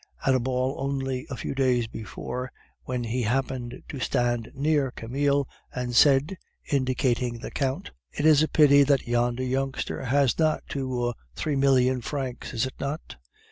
At a ball only a few days before, when he happened to stand near Camille, and said, indicating the Count: "It is a pity that yonder youngster has not two or three million francs, is it not?"